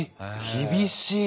厳しい！